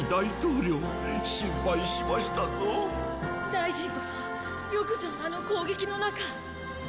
大臣こそよくぞあの攻撃の中。